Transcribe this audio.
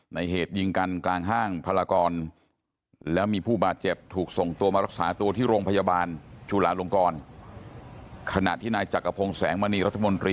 ในเหตุยิงกันกลางห้างพลากร